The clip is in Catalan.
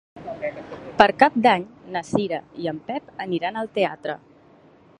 Per Cap d'Any na Cira i en Pep aniran al teatre.